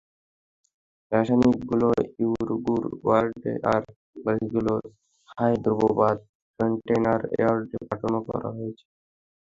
রাসায়নিকগুলো ইরুগুর ইয়ার্ডে, আর বাকিগুলো হায়দ্রাবাদ কন্টেইনার ইয়ার্ডে পাঠানো করা হয়েছে।